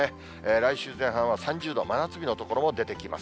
来週前半は３０度、真夏日の所も出てきます。